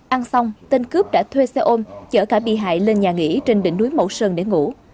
ăn xong tên cướp đã thuê xe ôm chở cả bị hại lên nhà nghỉ trên đỉnh núi mẫu sơn để ngủ